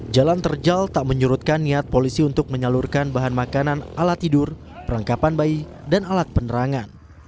jalan terjal tak menyurutkan niat polisi untuk menyalurkan bahan makanan alat tidur perlengkapan bayi dan alat penerangan